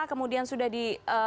kemudian sudah di